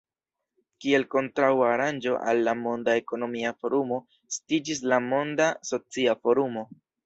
Kiel kontraŭa aranĝo al la Monda Ekonomia Forumo estiĝis la Monda Socia Forumo.